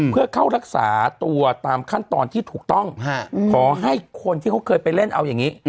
เพื่อเข้ารักษาตัวตามขั้นตอนที่ถูกต้องขอให้คนที่เขาเคยไปเล่นเอาอย่างนี้